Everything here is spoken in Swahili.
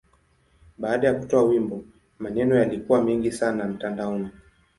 Baada ya kutoa wimbo, maneno yalikuwa mengi sana mtandaoni.